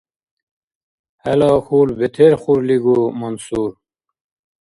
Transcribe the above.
ХӀела хьул бетерхурлигу, Мансур!